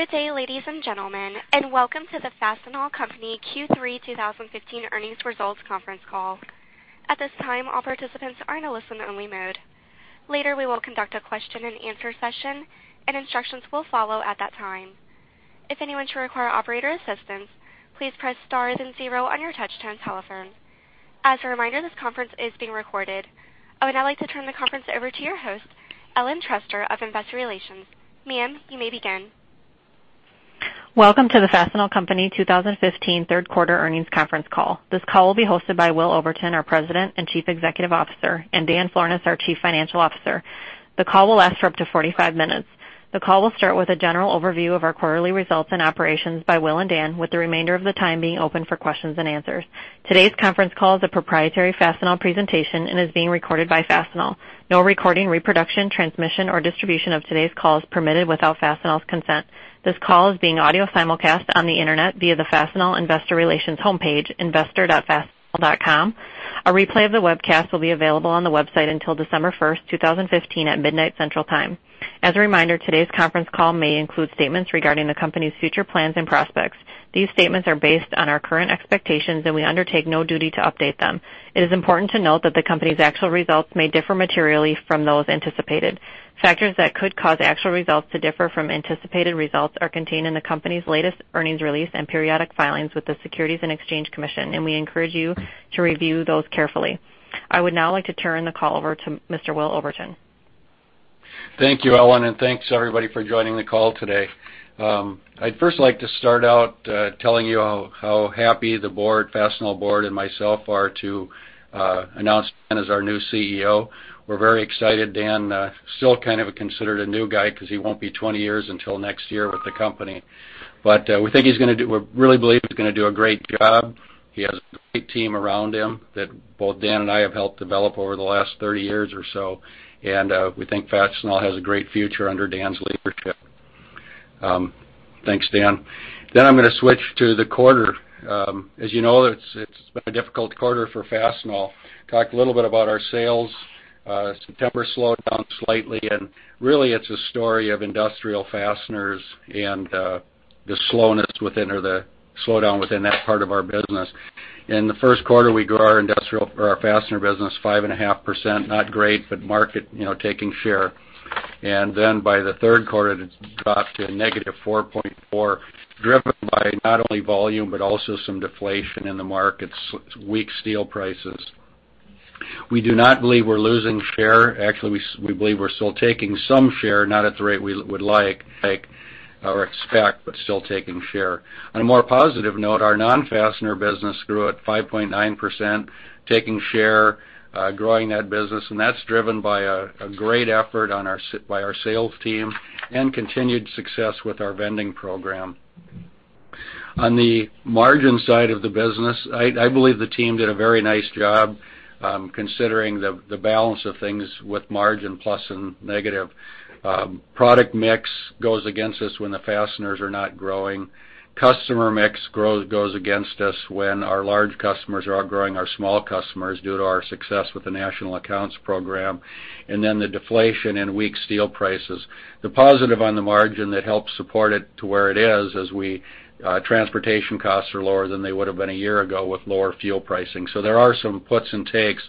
Good day, ladies and gentlemen, and welcome to the Fastenal Company Q3 2015 Earnings Results Conference Call. At this time, all participants are in a listen only mode. Later, we will conduct a question and answer session, and instructions will follow at that time. If anyone should require operator assistance, please press star and zero on your touch-tone telephone. As a reminder, this conference is being recorded. I would now like to turn the conference over to your host, Ellen Stolts of Investor Relations. Ma'am, you may begin. Welcome to the Fastenal Company 2015 third quarter earnings conference call. This call will be hosted by Will Oberton, our President and Chief Executive Officer, and Dan Florness, our Chief Financial Officer. The call will last for up to 45 minutes. The call will start with a general overview of our quarterly results and operations by Will and Dan, with the remainder of the time being open for questions and answers. Today's conference call is a proprietary Fastenal presentation and is being recorded by Fastenal. No recording, reproduction, transmission, or distribution of today's call is permitted without Fastenal's consent. This call is being audio simulcast on the internet via the Fastenal investor relations homepage, investor.fastenal.com. A replay of the webcast will be available on the website until December 1st, 2015, at midnight, Central Time. As a reminder, today's conference call may include statements regarding the company's future plans and prospects. These statements are based on our current expectations, we undertake no duty to update them. It is important to note that the company's actual results may differ materially from those anticipated. Factors that could cause actual results to differ from anticipated results are contained in the company's latest earnings release and periodic filings with the Securities and Exchange Commission, we encourage you to review those carefully. I would now like to turn the call over to Mr. Will Oberton. Thank you, Ellen, thanks, everybody, for joining the call today. I'd first like to start out telling you how happy the Fastenal board and myself are to announce Dan as our new CEO. We're very excited. Dan still kind of considered a new guy because he won't be 20 years until next year with the company. We really believe he's going to do a great job. He has a great team around him that both Dan and I have helped develop over the last 30 years or so, we think Fastenal has a great future under Dan's leadership. Thanks, Dan. I'm going to switch to the quarter. As you know, it's been a difficult quarter for Fastenal. Talk a little bit about our sales. September slowed down slightly, really it's a story of industrial fasteners and the slowness within, or the slowdown within that part of our business. In the first quarter, we grew our fastener business 5.5%, not great, but market taking share. By the third quarter, it had dropped to negative 4.4%, driven by not only volume but also some deflation in the markets, weak steel prices. We do not believe we're losing share. Actually, we believe we're still taking some share, not at the rate we would like or expect, but still taking share. On a more positive note, our non-fastener business grew at 5.9%, taking share, growing that business, and that's driven by a great effort by our sales team and continued success with our vending program. On the margin side of the business, I believe the team did a very nice job considering the balance of things with margin plus and negative. Product mix goes against us when the fasteners are not growing. Customer mix growth goes against us when our large customers are outgrowing our small customers due to our success with the National Accounts program. The deflation and weak steel prices. The positive on the margin that helps support it to where it is, as transportation costs are lower than they would've been a year ago with lower fuel pricing. There are some puts and takes,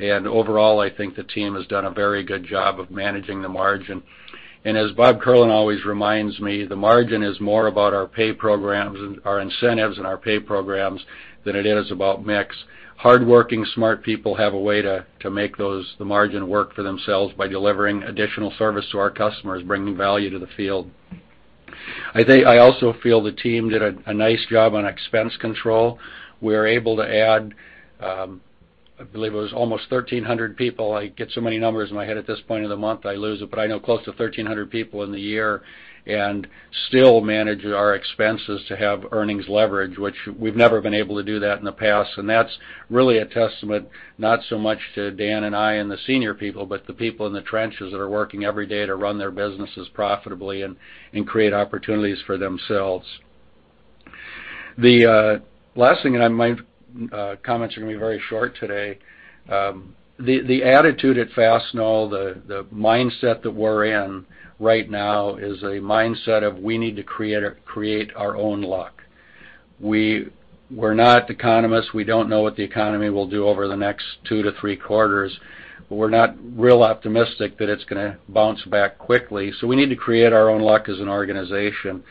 overall, I think the team has done a very good job of managing the margin. As Bob Kierlin always reminds me, the margin is more about our incentives and our pay programs than it is about mix. Hardworking, smart people have a way to make the margin work for themselves by delivering additional service to our customers, bringing value to the field. I also feel the team did a nice job on expense control. We were able to add, I believe it was almost 1,300 people. I get so many numbers in my head at this point of the month, I lose it, but I know close to 1,300 people in the year and still manage our expenses to have earnings leverage, which we've never been able to do that in the past. That's really a testament, not so much to Dan and I and the senior people, but the people in the trenches that are working every day to run their businesses profitably and create opportunities for themselves. The last thing, my comments are going to be very short today. The attitude at Fastenal, the mindset that we're in right now is a mindset of we need to create our own luck. We're not economists. We don't know what the economy will do over the next two to three quarters. We're not real optimistic that it's going to bounce back quickly, we need to create our own luck as an organization.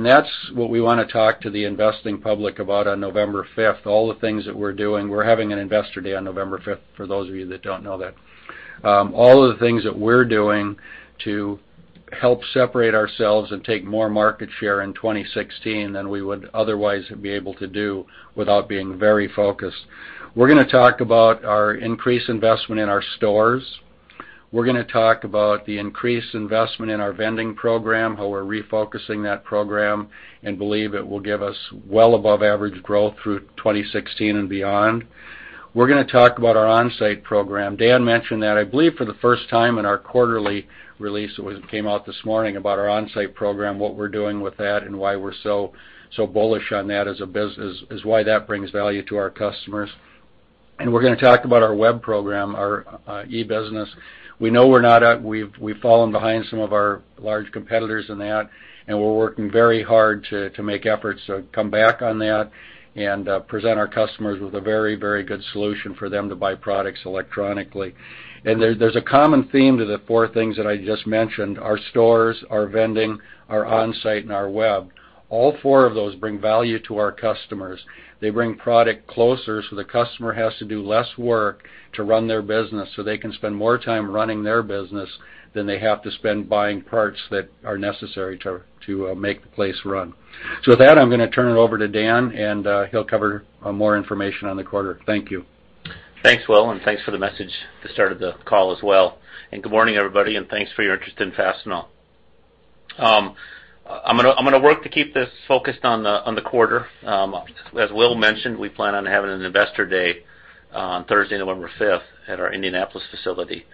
That's what we want to talk to the investing public about on November 5th, all the things that we're doing. We're having an investor day on November 5th, for those of you that don't know that. All of the things that we're doing to help separate ourselves and take more market share in 2016 than we would otherwise be able to do without being very focused. We're going to talk about our increased investment in our stores. We are going to talk about the increased investment in our vending program, how we are refocusing that program and believe it will give us well above average growth through 2016 and beyond. We are going to talk about our Onsite program. Dan mentioned that, I believe for the first time in our quarterly release that came out this morning about our Onsite program, what we are doing with that and why we are so bullish on that as a business, as why that brings value to our customers. We are going to talk about our web program, our e-business. We know we have fallen behind some of our large competitors in that, and we are working very hard to make efforts to come back on that and present our customers with a very good solution for them to buy products electronically. There is a common theme to the four things that I just mentioned. Our stores, our vending, our Onsite, and our web. All four of those bring value to our customers. They bring product closer, so the customer has to do less work to run their business, so they can spend more time running their business than they have to spend buying parts that are necessary to make the place run. With that, I am going to turn it over to Dan, and he will cover more information on the quarter. Thank you. Thanks, Will, and thanks for the message that started the call as well. Good morning, everybody, and thanks for your interest in Fastenal. I am going to work to keep this focused on the quarter. As Will mentioned, we plan on having an investor day on Thursday, November 5th at our Indianapolis facility,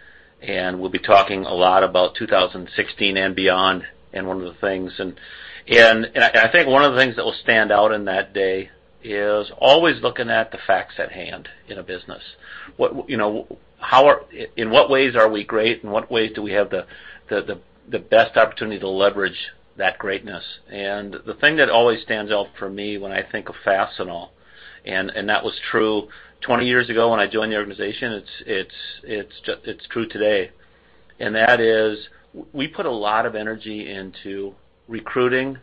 and we will be talking a lot about 2016 and beyond. I think one of the things that will stand out in that day is always looking at the facts at hand in a business. In what ways are we great? In what ways do we have the best opportunity to leverage that greatness? The thing that always stands out for me when I think of Fastenal, and that was true 20 years ago when I joined the organization, it is true today, and that is we put a lot of energy into recruiting,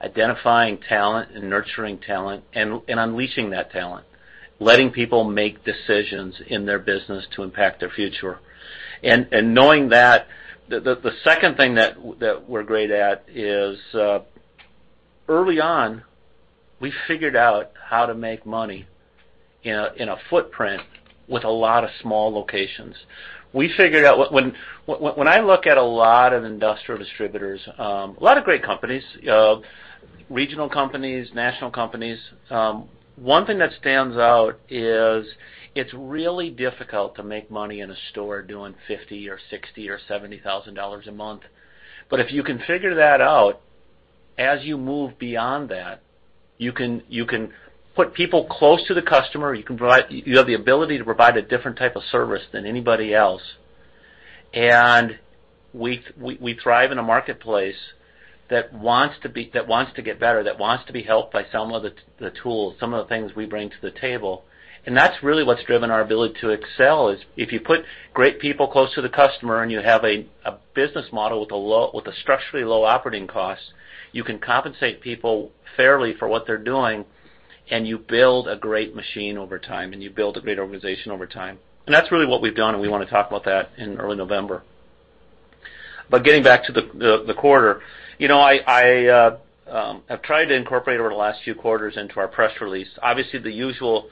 identifying talent and nurturing talent and unleashing that talent, letting people make decisions in their business to impact their future. Knowing that, the second thing that we are great at is, early on, we figured out how to make money in a footprint with a lot of small locations. When I look at a lot of industrial distributors, a lot of great companies, regional companies, national companies, one thing that stands out is it is really difficult to make money in a store doing 50,000 or $60,000 or $70,000 a month. If you can figure that out, as you move beyond that, you can put people close to the customer. You have the ability to provide a different type of service than anybody else. We thrive in a marketplace that wants to get better, that wants to be helped by some of the tools, some of the things we bring to the table. That's really what's driven our ability to excel is if you put great people close to the customer and you have a business model with a structurally low operating cost, you can compensate people fairly for what they're doing, and you build a great machine over time, and you build a great organization over time. That's really what we've done, and we want to talk about that in early November. Getting back to the quarter, I've tried to incorporate over the last few quarters into our press release, obviously the usual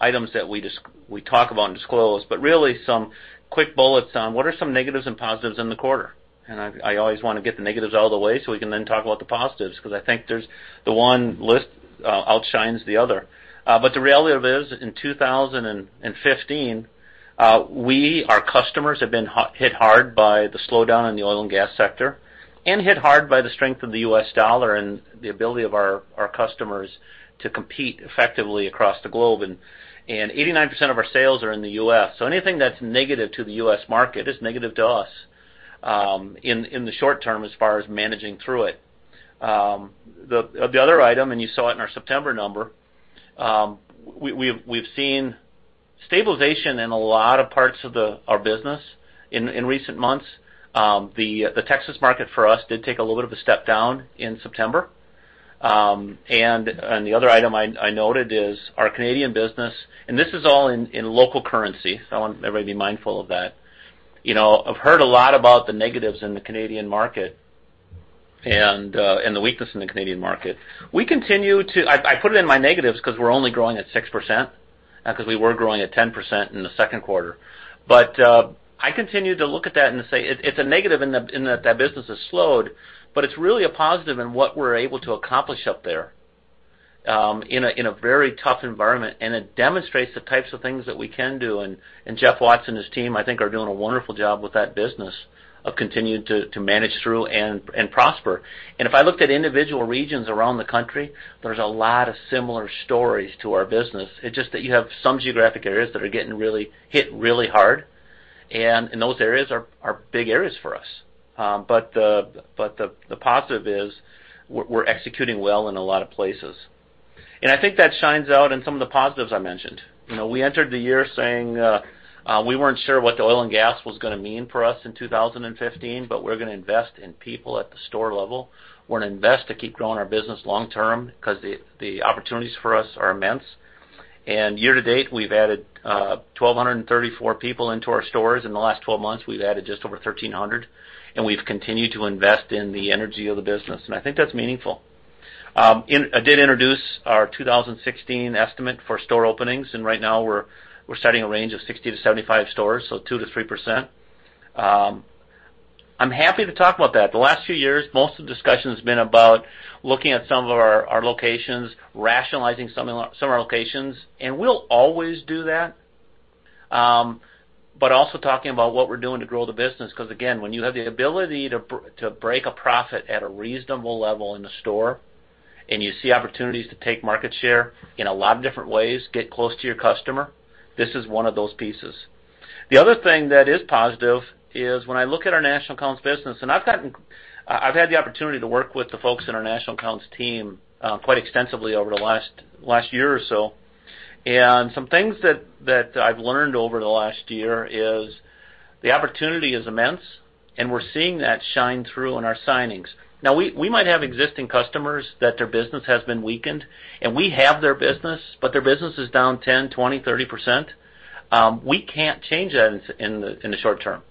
items that we talk about and disclose, but really some quick bullets on what are some negatives and positives in the quarter. I always want to get the negatives out of the way so we can then talk about the positives, because I think the one list outshines the other. The reality of it is, in 2015, our customers have been hit hard by the slowdown in the oil and gas sector and hit hard by the strength of the U.S. dollar and the ability of our customers to compete effectively across the globe. 89% of our sales are in the U.S., so anything that's negative to the U.S. market is negative to us in the short term as far as managing through it. The other item, and you saw it in our September number, we've seen stabilization in a lot of parts of our business in recent months. The Texas market for us did take a little bit of a step down in September. The other item I noted is our Canadian business. This is all in local currency, so I want everybody to be mindful of that. I've heard a lot about the negatives in the Canadian market and the weakness in the Canadian market. I put it in my negatives because we're only growing at 6%, because we were growing at 10% in the second quarter. I continue to look at that and say it's a negative in that business has slowed, but it's really a positive in what we're able to accomplish up there in a very tough environment, and it demonstrates the types of things that we can do. Jeff Watts and his team, I think, are doing a wonderful job with that business of continuing to manage through and prosper. If I looked at individual regions around the country, there's a lot of similar stories to our business. It's just that you have some geographic areas that are getting hit really hard, and those areas are big areas for us. The positive is we're executing well in a lot of places, and I think that shines out in some of the positives I mentioned. We entered the year saying we weren't sure what the oil and gas was going to mean for us in 2015, but we're going to invest in people at the store level. We're going to invest to keep growing our business long term because the opportunities for us are immense. Year to date, we've added 1,234 people into our stores. In the last 12 months, we've added just over 1,300, and we've continued to invest in the energy of the business, and I think that's meaningful. I did introduce our 2016 estimate for store openings, and right now we're setting a range of 60-75 stores, so 2%-3%. I'm happy to talk about that. The last few years, most of the discussion has been about looking at some of our locations, rationalizing some of our locations, and we'll always do that. Also talking about what we're doing to grow the business. Again, when you have the ability to break a profit at a reasonable level in the store, and you see opportunities to take market share in a lot of different ways, get close to your customer, this is one of those pieces. The other thing that is positive is when I look at our National Accounts business, and I've had the opportunity to work with the folks in our National Accounts team quite extensively over the last year or so. Some things that I've learned over the last year is the opportunity is immense, and we're seeing that shine through in our signings. Now, we might have existing customers that their business has been weakened, and we have their business, but their business is down 10%, 20%, 30%. We can't change that in the short term.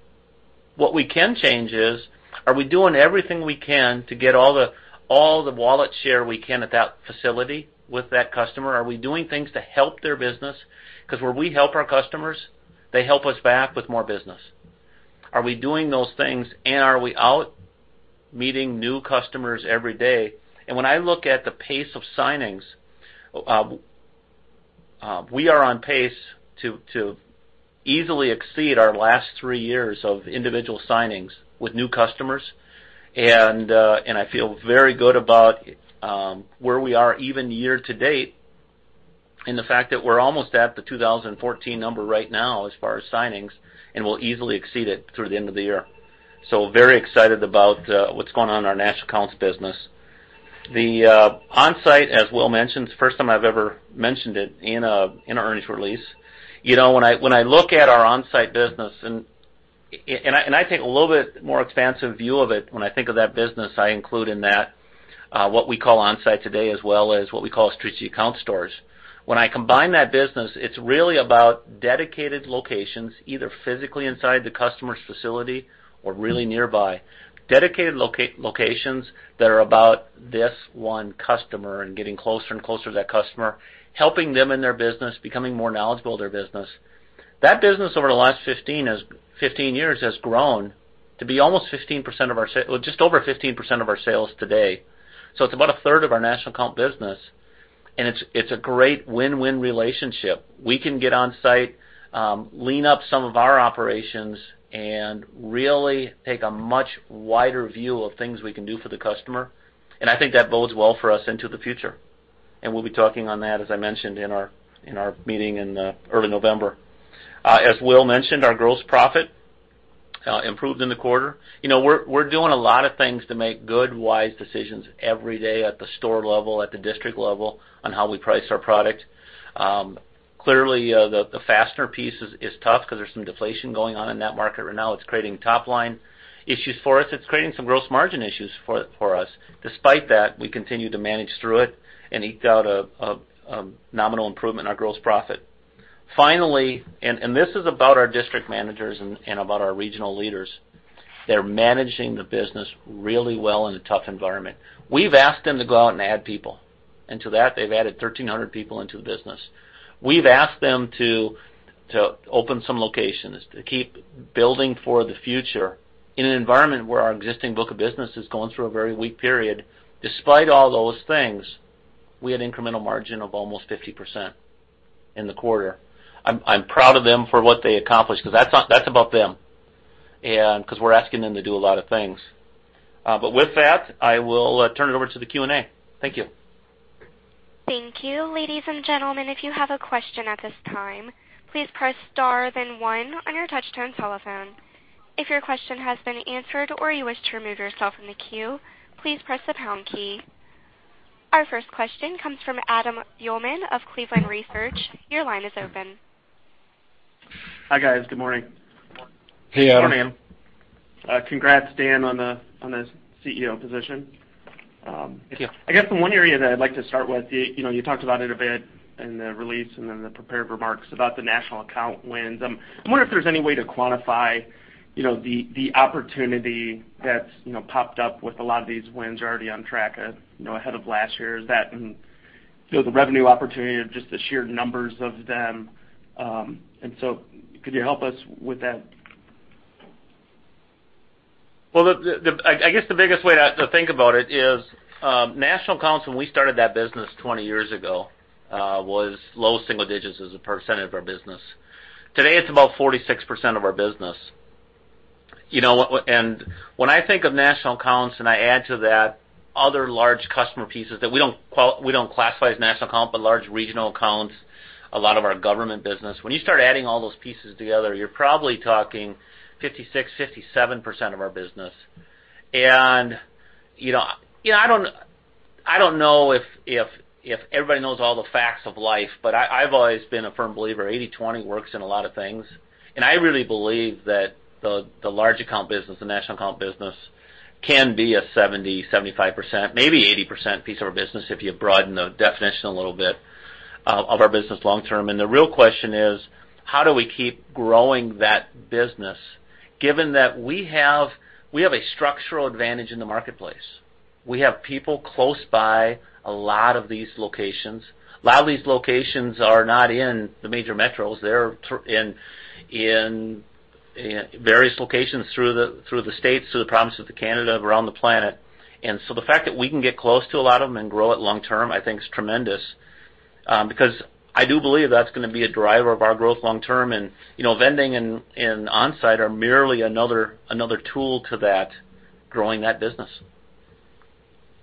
What we can change is, are we doing everything we can to get all the wallet share we can at that facility with that customer? Are we doing things to help their business? Where we help our customers, they help us back with more business. Are we doing those things, and are we out meeting new customers every day? When I look at the pace of signings, we are on pace to easily exceed our last three years of individual signings with new customers, and I feel very good about where we are even year to date in the fact that we're almost at the 2014 number right now as far as signings, and we'll easily exceed it through the end of the year. Very excited about what's going on in our National Accounts business. The Onsite, as Will mentioned, it's the first time I've ever mentioned it in an earnings release. When I look at our Onsite business, and I take a little bit more expansive view of it when I think of that business, I include in that what we call Onsite today, as well as what we call strategic account stores. When I combine that business, it's really about dedicated locations, either physically inside the customer's facility or really nearby. Dedicated locations that are about this one customer and getting closer and closer to that customer, helping them in their business, becoming more knowledgeable of their business. That business over the last 15 years has grown to be just over 15% of our sales today. It's about a third of our National Accounts business, and it's a great win-win relationship. We can get Onsite, lean up some of our operations, and really take a much wider view of things we can do for the customer. I think that bodes well for us into the future. We'll be talking on that, as I mentioned in our meeting in early November. As Will mentioned, our gross profit improved in the quarter. We're doing a lot of things to make good, wise decisions every day at the store level, at the district level, on how we price our product. Clearly, the fastener piece is tough because there's some deflation going on in that market right now. It's creating top-line issues for us. It's creating some gross margin issues for us. Despite that, we continue to manage through it and eke out a nominal improvement in our gross profit. Finally, this is about our district managers and about our regional leaders. They're managing the business really well in a tough environment. We've asked them to go out and add people. To that, they've added 1,300 people into the business. We've asked them to open some locations, to keep building for the future in an environment where our existing book of business is going through a very weak period. Despite all those things, we had incremental margin of almost 50% in the quarter. I'm proud of them for what they accomplished because that's about them. Because we're asking them to do a lot of things. With that, I will turn it over to the Q&A. Thank you. Thank you. Ladies and gentlemen, if you have a question at this time, please press star then one on your touch-tone telephone. If your question has been answered or you wish to remove yourself from the queue, please press the pound key. Our first question comes from Adam Uhlman of Cleveland Research. Your line is open. Hi, guys. Good morning. Hey, Adam. Good morning. Congrats, Dan, on the CEO position. Thank you. I guess the one area that I'd like to start with, you talked about it a bit in the release and in the prepared remarks about the National Account wins. I'm wondering if there's any way to quantify the opportunity that's popped up with a lot of these wins already on track ahead of last year. Is that the revenue opportunity or just the sheer numbers of them? Could you help us with that? Well, I guess the biggest way to think about it is National Accounts, when we started that business 20 years ago, was low single digits as a percentage of our business. Today, it's about 46% of our business. When I think of National Accounts and I add to that other large customer pieces that we don't classify as National Account, but large regional accounts, a lot of our government business. When you start adding all those pieces together, you're probably talking 56%, 57% of our business. I don't know if everybody knows all the facts of life, but I've always been a firm believer 80/20 works in a lot of things, and I really believe that the large account business, the National Account business, can be a 70%, 75%, maybe 80% piece of our business if you broaden the definition a little bit of our business long term. The real question is: how do we keep growing that business given that we have a structural advantage in the marketplace? We have people close by a lot of these locations. A lot of these locations are not in the major metros. They're in various locations through the States, through the provinces of Canada, around the planet. The fact that we can get close to a lot of them and grow it long-term, I think, is tremendous. Because I do believe that's going to be a driver of our growth long term, and vending and Onsite are merely another tool to that, growing that business.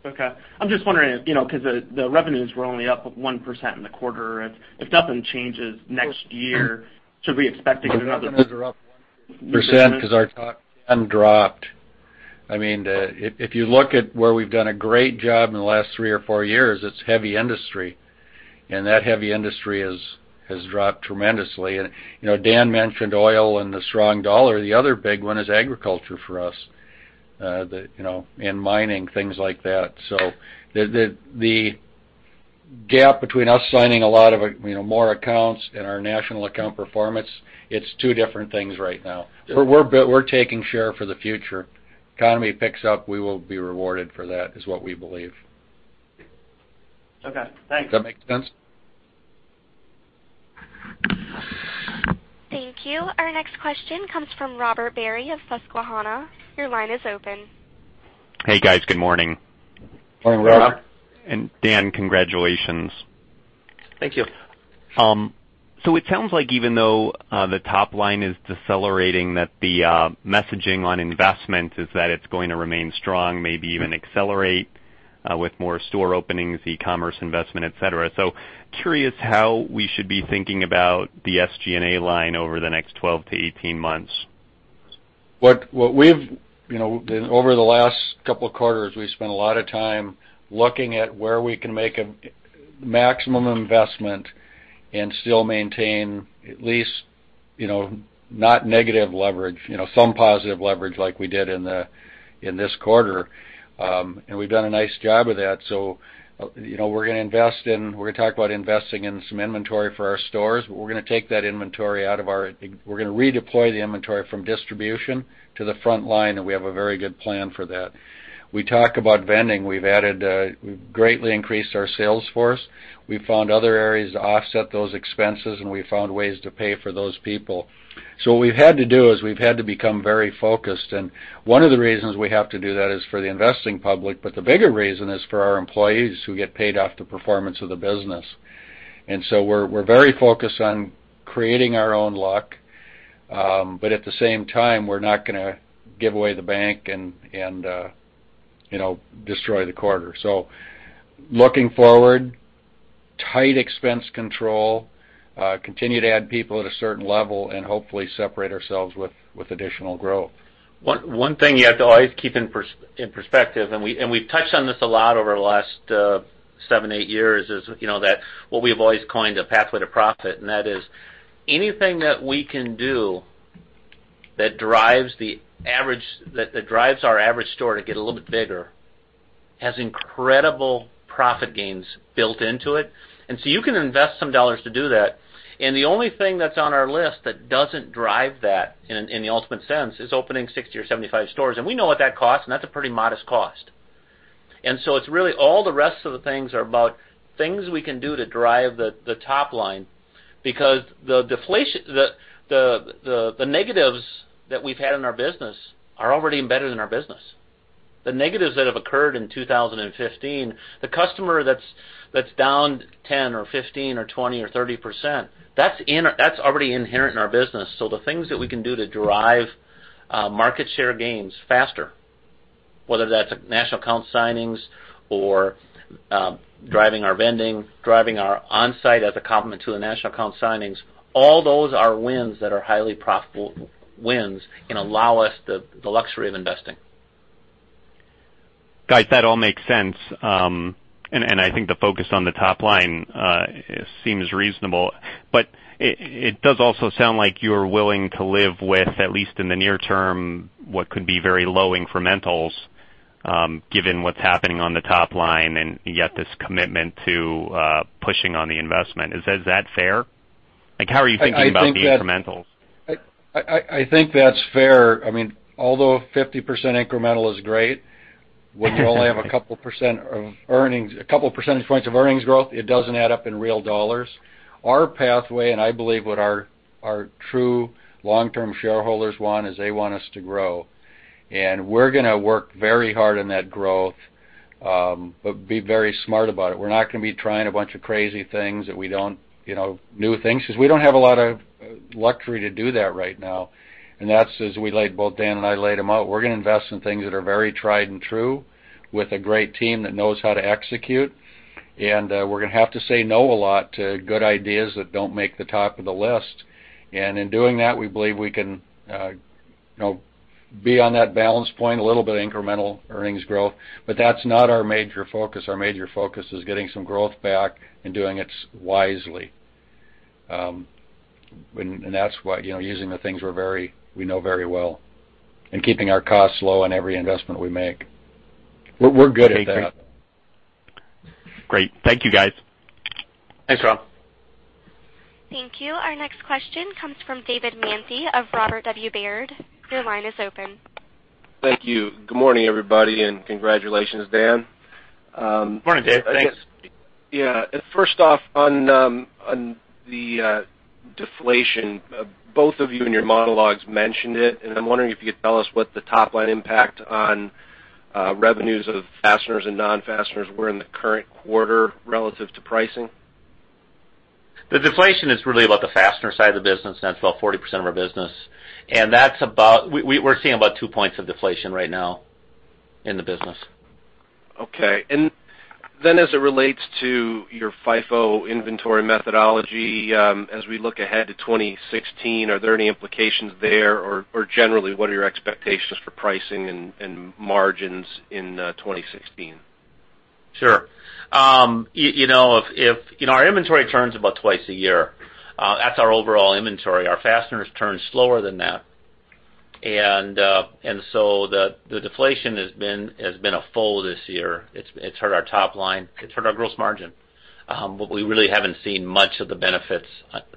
Okay. I'm just wondering, because the revenues were only up 1% in the quarter. If nothing changes next year, should we expect to get another- Well, nothing is up 1% because our top end dropped. If you look at where we've done a great job in the last three or four years, it's heavy industry. That heavy industry has dropped tremendously. Dan mentioned oil and the strong dollar. The other big one is agriculture for us, and mining, things like that. The gap between us signing a lot more accounts and our National Account performance, it's two different things right now. We're taking share for the future. Economy picks up, we will be rewarded for that, is what we believe. Okay, thanks. Does that make sense? Thank you. Our next question comes from Robert Barry of Susquehanna. Your line is open. Hey, guys. Good morning. Morning, Rob. Dan, congratulations. Thank you. It sounds like even though the top line is decelerating, that the messaging on investment is that it's going to remain strong, maybe even accelerate, with more store openings, e-commerce investment, et cetera. Curious how we should be thinking about the SG&A line over the next 12 to 18 months. Over the last couple of quarters, we've spent a lot of time looking at where we can make a maximum investment and still maintain at least not negative leverage, some positive leverage like we did in this quarter. We've done a nice job of that. We're going to talk about investing in some inventory for our stores, but we're going to take that inventory out, we're going to redeploy the inventory from distribution to the front line, and we have a very good plan for that. We talk about vending. We've greatly increased our sales force. We've found other areas to offset those expenses, and we've found ways to pay for those people. What we've had to do is we've had to become very focused, and one of the reasons we have to do that is for the investing public, but the bigger reason is for our employees who get paid off the performance of the business. We're very focused on creating our own luck. At the same time, we're not going to give away the bank and destroy the quarter. Looking forward, tight expense control, continue to add people at a certain level, and hopefully separate ourselves with additional growth. One thing you have to always keep in perspective, we've touched on this a lot over the last seven, eight years, is what we've always coined a Pathway to Profit, that is anything that we can do that drives our average store to get a little bit bigger, has incredible profit gains built into it. You can invest some dollars to do that, the only thing that's on our list that doesn't drive that, in the ultimate sense, is opening 60 or 75 stores. We know what that costs, that's a pretty modest cost. Really, all the rest of the things are about things we can do to drive the top line. Because the negatives that we've had in our business are already embedded in our business. The negatives that have occurred in 2015, the customer that's down 10% or 15% or 20% or 30%, that's already inherent in our business. The things that we can do to drive market share gains faster, whether that's National Accounts or driving our vending, driving our Onsite as a complement to the National Accounts, all those are wins that are highly profitable wins and allow us the luxury of investing. Guys, that all makes sense. I think the focus on the top line seems reasonable, but it does also sound like you're willing to live with, at least in the near term, what could be very low incrementals, given what's happening on the top line, and yet this commitment to pushing on the investment. Is that fair? How are you thinking about the incrementals? I think that's fair. Although 50% incremental is great, when you only have a couple percentage points of earnings growth, it doesn't add up in real dollars. Our Pathway, I believe what our true long-term shareholders want, is they want us to grow. We're going to work very hard on that growth, be very smart about it. We're not going to be trying a bunch of crazy things, new things, because we don't have a lot of luxury to do that right now, that's as both Dan and I laid them out. We're going to invest in things that are very tried and true with a great team that knows how to execute, we're going to have to say no a lot to good ideas that don't make the top of the list. In doing that, we believe we can be on that balance point, a little bit of incremental earnings growth, but that's not our major focus. Our major focus is getting some growth back and doing it wisely. That's using the things we know very well and keeping our costs low on every investment we make. We're good at that. Great. Thank you, guys. Thanks, Rob. Thank you. Our next question comes from David Manthey of Robert W. Baird. Your line is open. Thank you. Good morning, everybody, and congratulations, Dan. Good morning, Dave. Thanks. First off, on the deflation, both of you in your monologues mentioned it, and I'm wondering if you could tell us what the top-line impact on revenues of fasteners and non-fasteners were in the current quarter relative to pricing. The deflation is really about the fastener side of the business, that's about 40% of our business. We're seeing about 2 points of deflation right now in the business. Okay. Then as it relates to your FIFO inventory methodology, as we look ahead to 2016, are there any implications there? Generally, what are your expectations for pricing and margins in 2016? Sure. Our inventory turns about twice a year. That's our overall inventory. Our fasteners turn slower than that. So the deflation has been a foe this year. It's hurt our top line, it's hurt our gross margin. We really haven't seen much of the benefits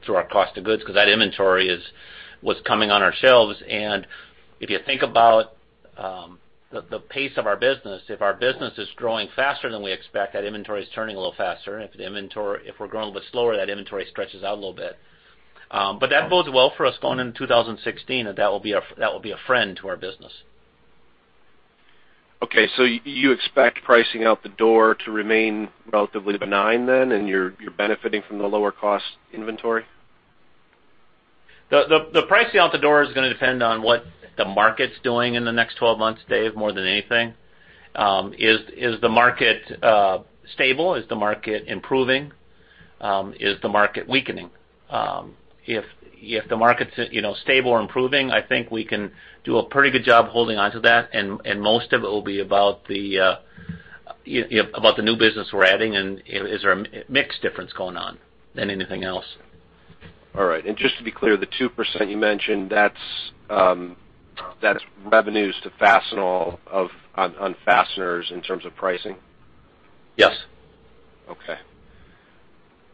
through our cost of goods because that inventory is what's coming on our shelves. If you think about the pace of our business, if our business is growing faster than we expect, that inventory is turning a little faster. If we're growing a bit slower, that inventory stretches out a little bit. That bodes well for us going into 2016, that will be a friend to our business. Okay, you expect pricing out the door to remain relatively benign then, you're benefiting from the lower cost inventory? The pricing out the door is going to depend on what the market's doing in the next 12 months, Dave, more than anything. Is the market stable? Is the market improving? Is the market weakening? If the market's stable or improving, I think we can do a pretty good job holding onto that, and most of it will be about the new business we're adding, and is there a mix difference going on than anything else. All right. Just to be clear, the 2% you mentioned, that's revenues to Fastenal on fasteners in terms of pricing? Yes. Okay.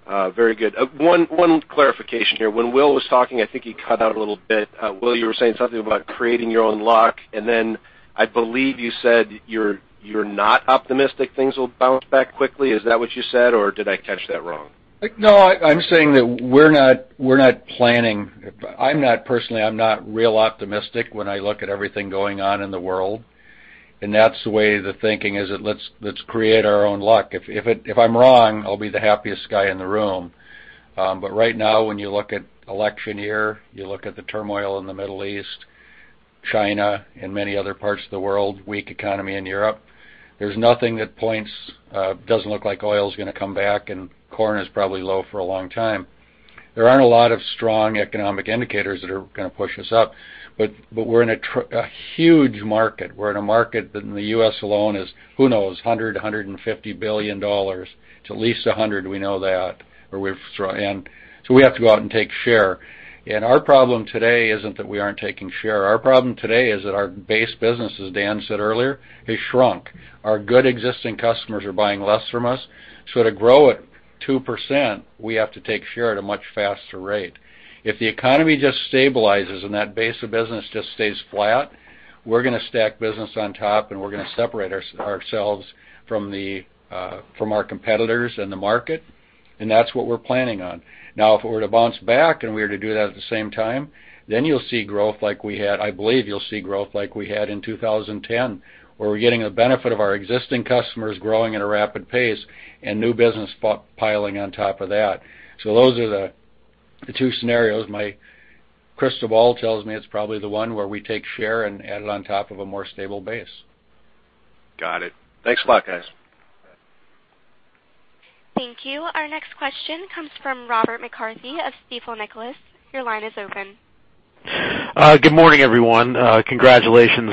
Very good. One clarification here. When Will was talking, I think he cut out a little bit. Will, you were saying something about creating your own luck, and then I believe you said you're not optimistic things will bounce back quickly. Is that what you said, or did I catch that wrong? No, I'm saying that we're not planning. I'm not, personally, I'm not real optimistic when I look at everything going on in the world, and that's the way the thinking is that let's create our own luck. If I'm wrong, I'll be the happiest guy in the room. Right now, when you look at election year, you look at the turmoil in the Middle East, China, and many other parts of the world, weak economy in Europe. There's nothing that points, doesn't look like oil's going to come back, and corn is probably low for a long time. There aren't a lot of strong economic indicators that are going to push us up. We're in a huge market. We're in a market that in the U.S. alone is, who knows, $100 billion, $150 billion. It's at least 100, we know that. We have to go out and take share. Our problem today isn't that we aren't taking share. Our problem today is that our base business, as Dan said earlier, has shrunk. Our good existing customers are buying less from us. To grow at 2%, we have to take share at a much faster rate. If the economy just stabilizes and that base of business just stays flat, we're going to stack business on top, and we're going to separate ourselves from our competitors and the market, and that's what we're planning on. If it were to bounce back and we were to do that at the same time, you'll see growth like we had, I believe you'll see growth like we had in 2010, where we're getting the benefit of our existing customers growing at a rapid pace and new business piling on top of that. Those are the two scenarios. My crystal ball tells me it's probably the one where we take share and add it on top of a more stable base. Got it. Thanks a lot, guys. Thank you. Our next question comes from Robert McCarthy of Stifel, Nicolaus & Company, Incorporated. Your line is open. Good morning, everyone. Congratulations,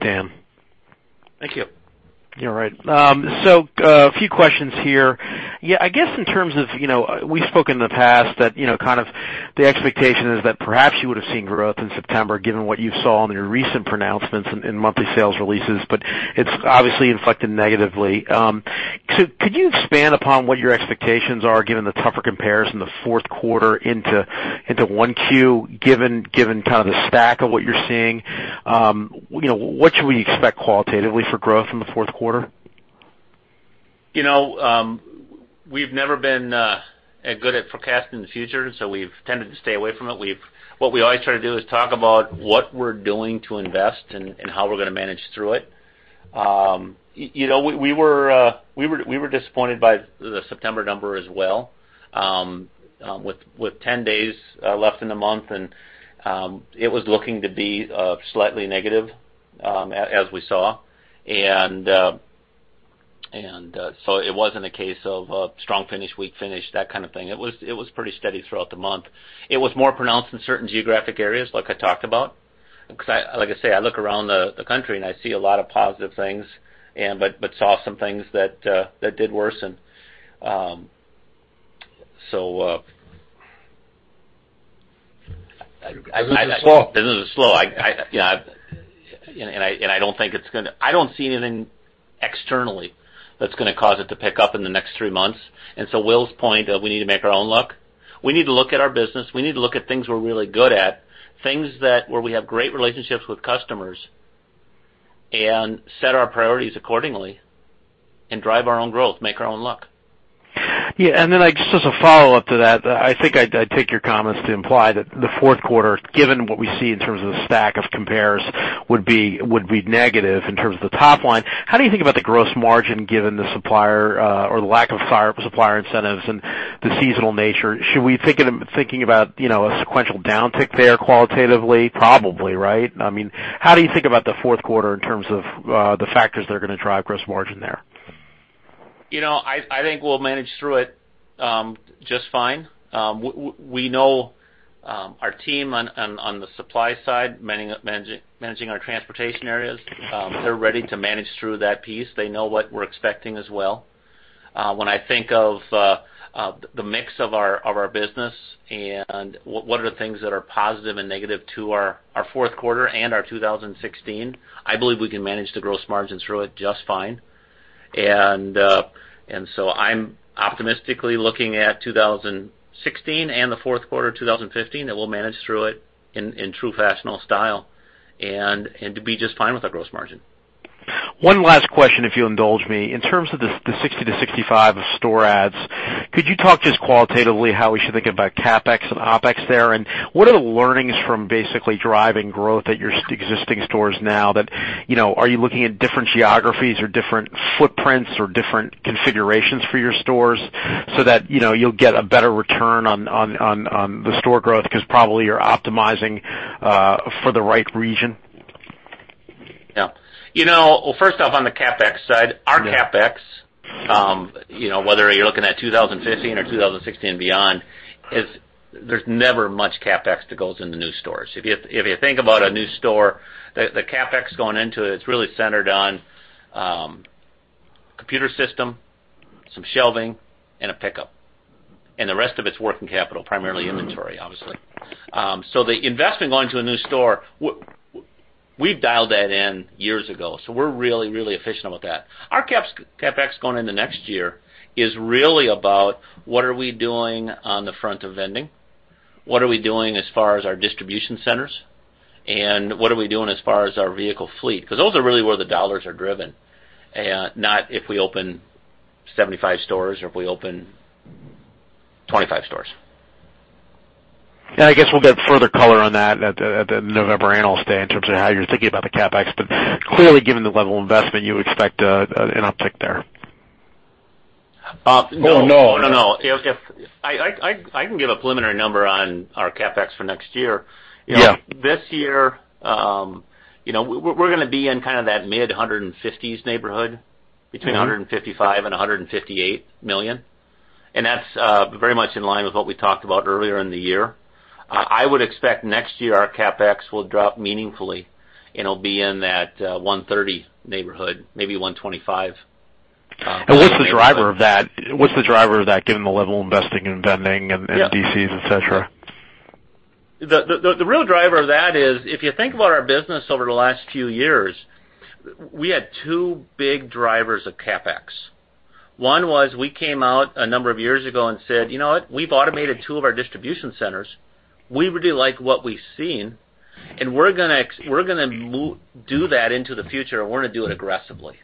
Dan. Thank you. Yeah, right. A few questions here. I guess in terms of, we've spoken in the past that kind of the expectation is that perhaps you would've seen growth in September, given what you saw in your recent pronouncements in monthly sales releases, but it's obviously inflected negatively. Could you expand upon what your expectations are given the tougher comparison the fourth quarter into 1Q, given kind of the stack of what you're seeing? What should we expect qualitatively for growth in the fourth quarter? We've never been good at forecasting the future, so we've tended to stay away from it. What we always try to do is talk about what we're doing to invest and how we're going to manage through it. We were disappointed by the September number as well. With 10 days left in the month, and it was looking to be slightly negative, as we saw. It wasn't a case of a strong finish, weak finish, that kind of thing. It was pretty steady throughout the month. It was more pronounced in certain geographic areas, like I talked about. Like I say, I look around the country, and I see a lot of positive things, but saw some things that did worsen. Business is slow. Business is slow. I don't see anything externally that's going to cause it to pick up in the next three months. Will's point of we need to make our own luck. We need to look at our business. We need to look at things we're really good at, things where we have great relationships with customers, and set our priorities accordingly and drive our own growth, make our own luck. Yeah. Just as a follow-up to that, I think I'd take your comments to imply that the fourth quarter, given what we see in terms of the stack of compares, would be negative in terms of the top line. How do you think about the gross margin given the supplier or the lack of supplier incentives and the seasonal nature? Should we thinking about a sequential downtick there qualitatively? Probably, right? How do you think about the fourth quarter in terms of the factors that are going to drive gross margin there? I think we'll manage through it just fine. We know our team on the supply side, managing our transportation areas, they're ready to manage through that piece. They know what we're expecting as well. When I think of the mix of our business and what are the things that are positive and negative to our fourth quarter and our 2016, I believe we can manage the gross margins through it just fine. I'm optimistically looking at 2016 and the fourth quarter 2015 that we'll manage through it in true Fastenal style, and to be just fine with our gross margin. One last question, if you indulge me. In terms of the 60-65 of store adds, could you talk just qualitatively how we should think about CapEx and OpEx there? What are the learnings from basically driving growth at your existing stores now that, are you looking at different geographies or different footprints or different configurations for your stores so that you'll get a better return on the store growth? Probably you're optimizing for the right region. Well, first off, on the CapEx side, our CapEx Yeah Whether you're looking at 2015 or 2016 beyond, there's never much CapEx that goes into new stores. If you think about a new store, the CapEx going into it's really centered on computer system, some shelving, and a pickup. The rest of it's working capital, primarily inventory, obviously. The investment going to a new store, we've dialed that in years ago, so we're really, really efficient with that. Our CapEx going into next year is really about what are we doing on the front of vending, what are we doing as far as our distribution centers, and what are we doing as far as our vehicle fleet, because those are really where the dollars are driven. Not if we open 75 stores or if we open 25 stores. I guess we'll get further color on that at the November analyst day in terms of how you're thinking about the CapEx. Clearly, given the level of investment, you expect an uptick there. No. Or no- No, I can give a preliminary number on our CapEx for next year. Yeah. This year, we're going to be in kind of that mid $150s neighborhood. between $155 million and $158 million, that's very much in line with what we talked about earlier in the year. I would expect next year our CapEx will drop meaningfully, it'll be in that $130 neighborhood, maybe $125. What's the driver of that given the level of investing in vending and Yeah DCs, et cetera? The real driver of that is, if you think about our business over the last few years, we had two big drivers of CapEx. One was we came out a number of years ago and said, "You know what? We've automated two of our distribution centers. We really like what we've seen, and we're going to do that into the future, and we're going to do it aggressively."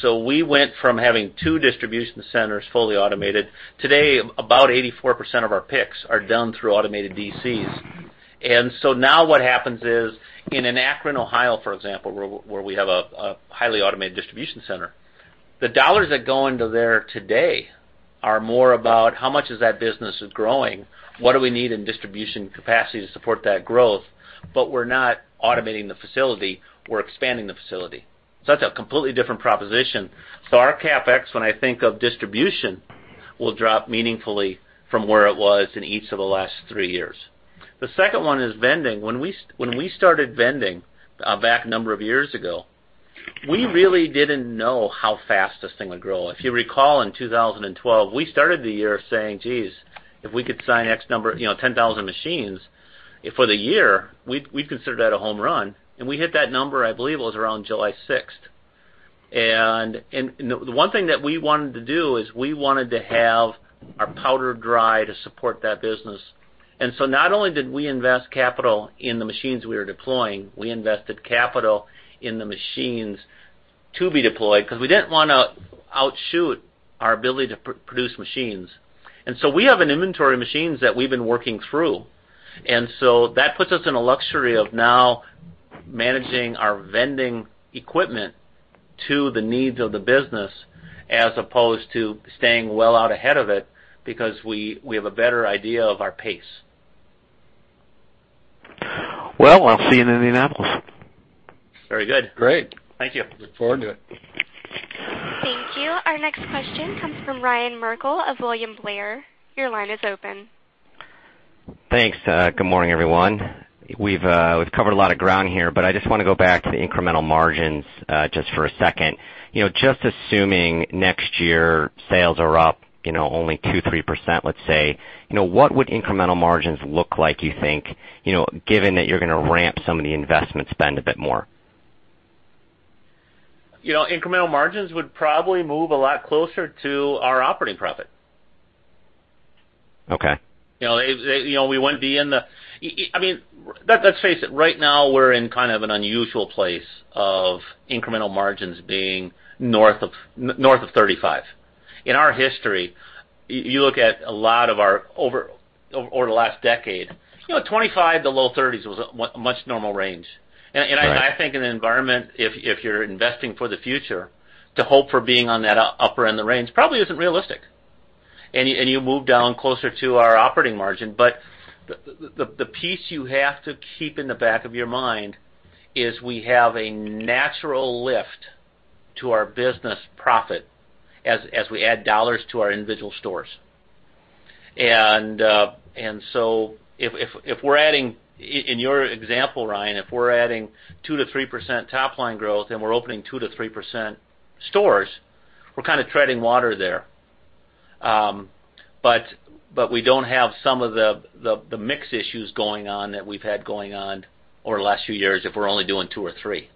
So we went from having two distribution centers fully automated. Today, about 84% of our picks are done through automated DCs. Now what happens is, in an Akron, Ohio, for example, where we have a highly automated distribution center, the dollars that go into there today are more about how much is that business is growing, what do we need in distribution capacity to support that growth. We're not automating the facility, we're expanding the facility. That's a completely different proposition. Our CapEx, when I think of distribution, will drop meaningfully from where it was in each of the last three years. The second one is vending. When we started vending back a number of years ago, we really didn't know how fast this thing would grow. If you recall, in 2012, we started the year saying, "Geez, if we could sign X number, 10,000 machines for the year," we'd consider that a home run. We hit that number, I believe it was around July 6th. The one thing that we wanted to do is we wanted to have our powder dry to support that business. So not only did we invest capital in the machines we were deploying, we invested capital in the machines to be deployed because we didn't want to outshoot our ability to produce machines. We have an inventory of machines that we've been working through. That puts us in a luxury of now managing our vending equipment to the needs of the business as opposed to staying well out ahead of it, because we have a better idea of our pace. Well, I'll see you in Indianapolis. Very good. Great. Thank you. Look forward to it. Thank you. Our next question comes from Ryan Merkel of William Blair. Your line is open. Thanks. Good morning, everyone. We've covered a lot of ground here, but I just want to go back to the incremental margins just for a second. Just assuming next year sales are up only 2, 3%, let's say, what would incremental margins look like, you think, given that you're going to ramp some of the investment spend a bit more? Incremental margins would probably move a lot closer to our operating profit. Okay. Let's face it, right now we're in kind of an unusual place of incremental margins being north of 35%. In our history, you look at a lot of our, over the last decade, 25%-low 30s was a much normal range. Right. I think in an environment, if you're investing for the future, to hope for being on that upper end of the range probably isn't realistic. You move down closer to our operating margin. The piece you have to keep in the back of your mind is we have a natural lift to our business profit as we add dollars to our individual stores. If we're adding, in your example, Ryan, if we're adding 2%-3% top-line growth and we're opening 2%-3% stores, we're kind of treading water there. We don't have some of the mix issues going on that we've had going on over the last few years if we're only doing 2% or 3%.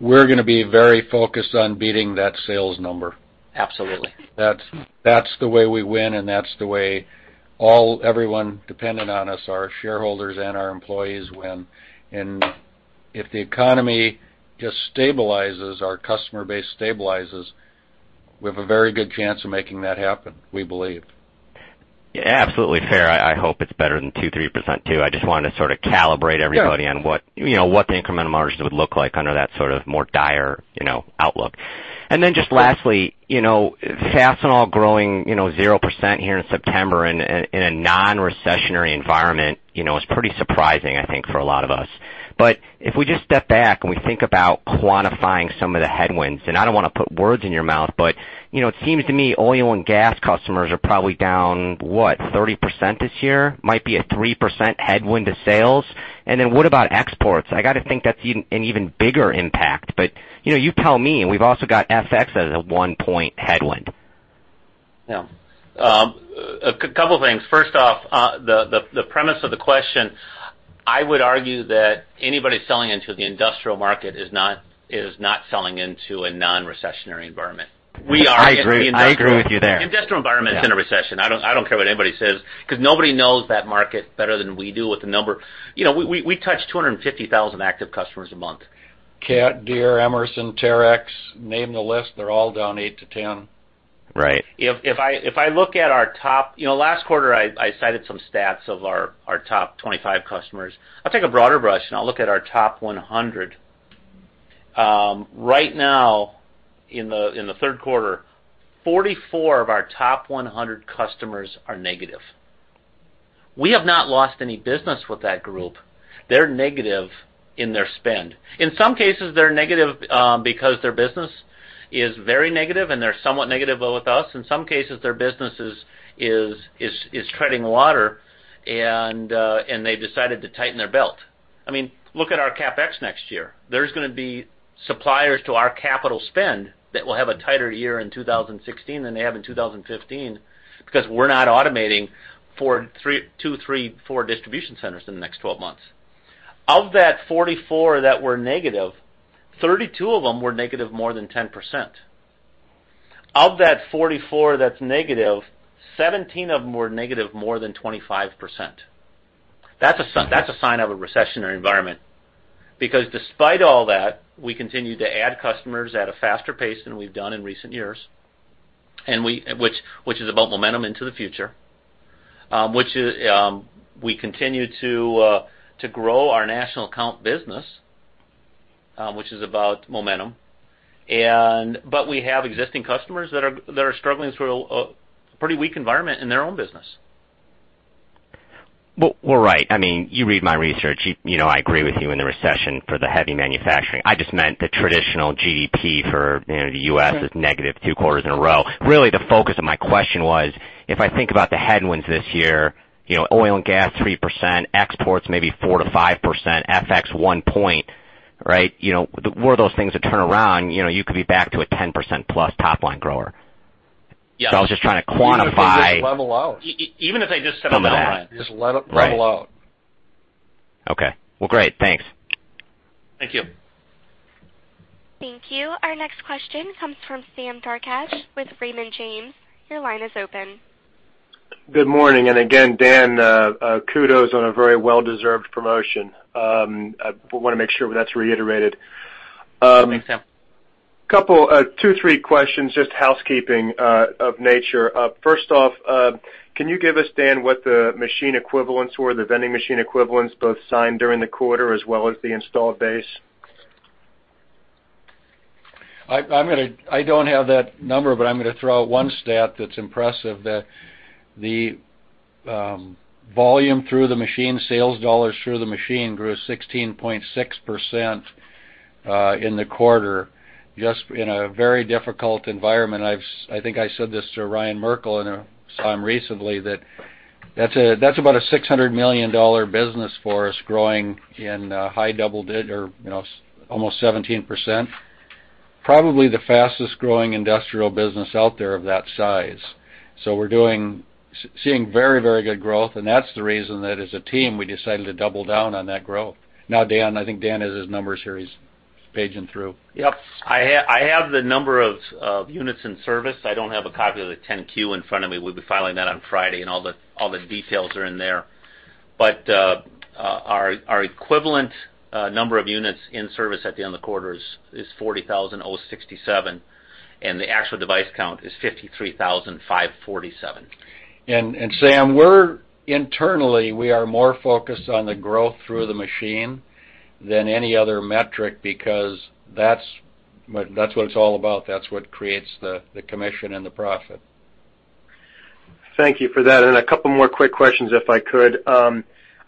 We're going to be very focused on beating that sales number. Absolutely. That's the way we win, and that's the way everyone dependent on us, our shareholders and our employees win. If the economy just stabilizes, our customer base stabilizes, we have a very good chance of making that happen, we believe. Yeah, absolutely fair. I hope it's better than 2%, 3%, too. I just wanted to sort of calibrate everybody. Sure on what the incremental margins would look like under that sort of more dire outlook. Just lastly, Fastenal growing 0% here in September in a non-recessionary environment is pretty surprising, I think, for a lot of us. If we just step back and we think about quantifying some of the headwinds, I don't want to put words in your mouth, but it seems to me oil and gas customers are probably down, what, 30% this year? Might be a 3% headwind to sales. What about exports? I got to think that's an even bigger impact. You tell me. We've also got FX as a one-point headwind. Yeah. A couple of things. First off, the premise of the question, I would argue that anybody selling into the industrial market is not selling into a non-recessionary environment. We are. I agree with you there. The industrial environment is in a recession. I don't care what anybody says, because nobody knows that market better than we do with the number. We touch 250,000 active customers a month. CAT, Deere, Emerson, Terex, name the list, they're all down 8%-10%. Right. Last quarter, I cited some stats of our top 25 customers. I'll take a broader brush and I'll look at our top 100. Right now, in the third quarter, 44 of our top 100 customers are negative. We have not lost any business with that group. They're negative in their spend. In some cases, they're negative because their business is very negative and they're somewhat negative with us. In some cases, their business is treading water and they decided to tighten their belt. Look at our CapEx next year. There's going to be suppliers to our capital spend that will have a tighter year in 2016 than they have in 2015, because we're not automating two, three, four distribution centers in the next 12 months. Of that 44 that were negative, 32 of them were negative more than 10%. Of that 44 that's negative, 17 of them were negative more than 25%. That's a sign of a recessionary environment. Despite all that, we continue to add customers at a faster pace than we've done in recent years, which is about momentum into the future, which we continue to grow our National Accounts business, which is about momentum. We have existing customers that are struggling through a pretty weak environment in their own business. Well, right. You read my research. I agree with you in the recession for the heavy manufacturing. I just meant the traditional GDP for the U.S. is negative two quarters in a row. Really, the focus of my question was, if I think about the headwinds this year, oil and gas, 3%, exports maybe 4%-5%, FX, one point, right? Were those things to turn around, you could be back to a 10%-plus top-line grower. Yes. I was just trying to quantify. Even if they just level out Even if they just said, "We don't want it. Coming back. Just level out. Right. Okay. Well, great. Thanks. Thank you. Thank you. Our next question comes from Sam Darkatsh with Raymond James. Your line is open. Good morning. Again, Dan, kudos on a very well-deserved promotion. I want to make sure that's reiterated. Thanks, Sam. Two, three questions, just housekeeping of nature. First off, can you give us, Dan, what the machine equivalents were, the vending machine equivalents, both signed during the quarter as well as the installed base? I don't have that number, I'm going to throw out one stat that's impressive, that the volume through the machine, sales dollars through the machine grew 16.6% in the quarter, just in a very difficult environment. I think I said this to Ryan Merkel in a sign recently that that's about a $600 million business for us growing in high double digit, or almost 17%. Probably the fastest-growing industrial business out there of that size. We're seeing very good growth, and that's the reason that as a team, we decided to double down on that growth. Dan, I think Dan has his numbers here. He's paging through. Yep. I have the number of units in service. I don't have a copy of the 10-Q in front of me. We'll be filing that on Friday, and all the details are in there. Our equivalent number of units in service at the end of the quarter is 40,067, and the actual device count is 53,547. Sam, internally, we are more focused on the growth through the machine than any other metric because that's what it's all about. That's what creates the commission and the profit. Thank you for that. A couple more quick questions, if I could.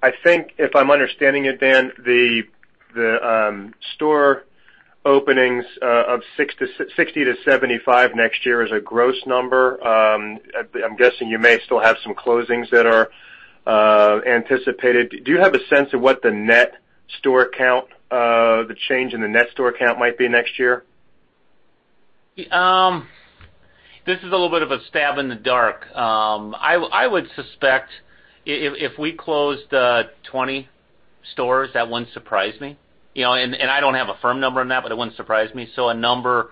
I think if I'm understanding it, Dan, the store openings of 60 to 75 next year is a gross number. I'm guessing you may still have some closings that are anticipated. Do you have a sense of what the change in the net store count might be next year? This is a little bit of a stab in the dark. I would suspect if we closed 20 stores, that wouldn't surprise me. I don't have a firm number on that, but it wouldn't surprise me. A number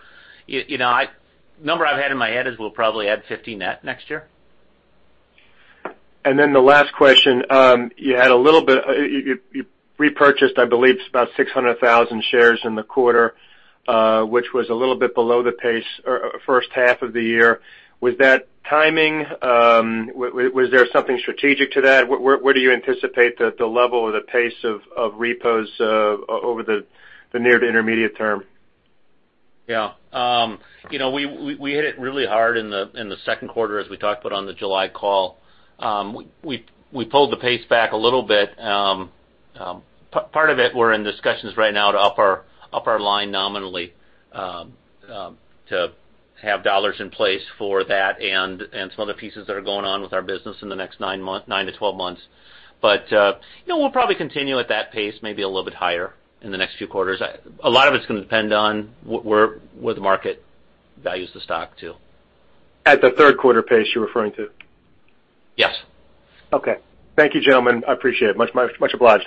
I've had in my head is we'll probably add 50 net next year. The last question, you repurchased, I believe, about 600,000 shares in the quarter, which was a little bit below the pace first half of the year. Was that timing? Was there something strategic to that? Where do you anticipate the level or the pace of repos over the near to intermediate term? Yeah. We hit it really hard in the second quarter as we talked about on the July call. We pulled the pace back a little bit. Part of it, we're in discussions right now to up our line nominally, to have dollars in place for that and some other pieces that are going on with our business in the next 9 to 12 months. We'll probably continue at that pace, maybe a little bit higher in the next few quarters. A lot of it's going to depend on where the market values the stock, too. At the third quarter pace you're referring to? Yes. Okay. Thank you, gentlemen. I appreciate it much. Much obliged.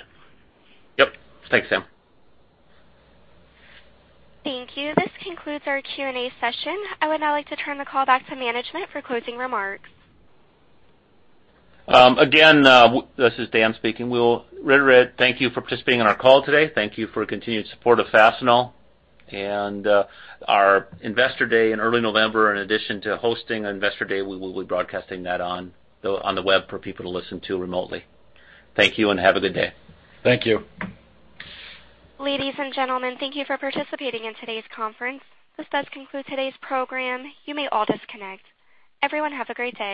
Yep. Thanks, Sam. Thank you. This concludes our Q&A session. I would now like to turn the call back to management for closing remarks. Again, this is Dan speaking. We thank you for participating in our call today. Thank you for continued support of Fastenal. Our Investor Day in early November, in addition to hosting Investor Day, we will be broadcasting that on the web for people to listen to remotely. Thank you and have a good day. Thank you. Ladies and gentlemen, thank you for participating in today's conference. This does conclude today's program. You may all disconnect. Everyone have a great day.